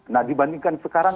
nah dibandingkan sekarang